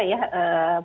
ya ini luar biasa ya